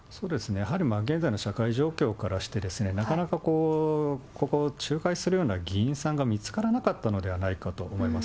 やはり現在の社会状況からしてですね、なかなか、ここを仲介するような議員さんが見つからなかったのではないかと思います。